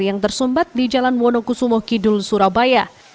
yang tersumbat di jalan wonokusumokidul surabaya